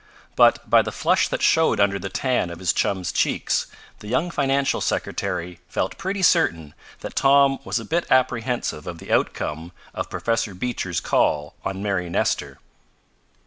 But by the flush that showed under the tan of his chum's cheeks the young financial secretary felt pretty certain that Tom was a bit apprehensive of the outcome of Professor Beecher's call on Mary Nestor.